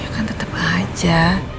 ya kan tetep aja